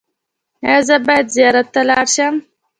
ایا زه باید زیارت ته لاړ شم؟